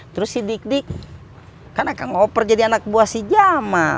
terus si dik dik kan akan ngoper jadi anak buah si jama